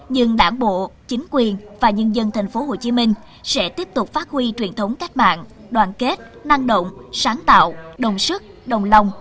nhưng đảng bộ chính quyền và nhân dân thành phố hồ chí minh sẽ tiếp tục phát huy truyền thống cách mạng đoàn kết năng động sáng tạo đồng sức đồng lòng